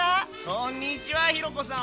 こんにちはひろ子さん。